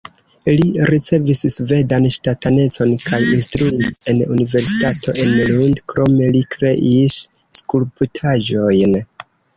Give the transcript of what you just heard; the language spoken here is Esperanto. Li ricevis svedan ŝtatanecon kaj instruis en universitato en Lund, krome li kreis skulptaĵojn.